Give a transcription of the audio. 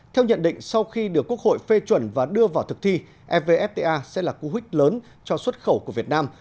theo nhận định sau khi được quốc hội phê chuẩn và đưa vào thực thi evfta sẽ là cú hích lớn cho xuất khẩu của việt nam